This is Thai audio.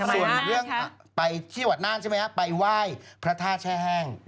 ส่วนเรื่องไปเที่ยววัดน่านใช่ไหมครับไปไหว้พระธาตุแช่แห้ง